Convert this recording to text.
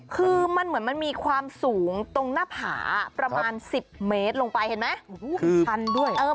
คือมันเหมือนมันมีความสูงตรงหน้าผาประมาณ๑๐เมตรลงไปเห็นไหมชันด้วย